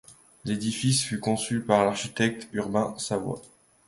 L'édifice fut conçu par l'architecte Urbain Savoie.